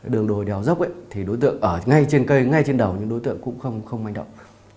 đường đồi đèo dốc thì đối tượng ở ngay trên cây ngay trên đầu nhưng đối tượng cũng không manh động